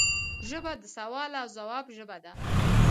ژبه د سوال او ځواب ژبه ده